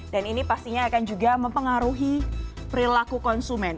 dan ini pastinya akan juga mempengaruhi perilaku konsumen